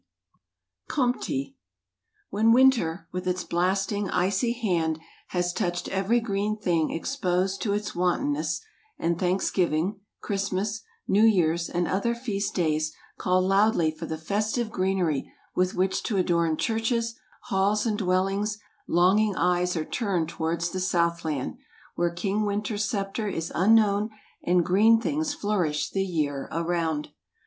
187 COMPTIE. When winter, with its blasting, icy hand, has touched every green thing exposed to its wantonness, and Thanksgiving, Christmas, New Year's and other feast days call loudly for the festive greenery with which to adorn churches, halls and dwellings, longing eyes are turned towards the Southland, where King Winter's scepter is unknown and green things flourish the year around.